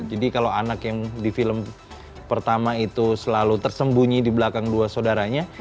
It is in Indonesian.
jadi kalau anak yang di film pertama itu selalu tersembunyi di belakang dua sodaranya